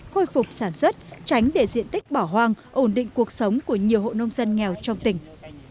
khôi phục sản xuất tránh để diện tích bỏ hoang ổn định cuộc sống của nhiều hộ nông dân nghèo trong tỉnh